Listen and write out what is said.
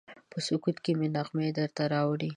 په سکوت کې مې نغمې درته راوړي